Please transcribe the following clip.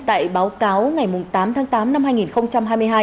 tại báo cáo ngày tám tháng tám năm hai nghìn hai mươi hai